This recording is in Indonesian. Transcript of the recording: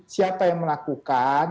siapa yang melakukan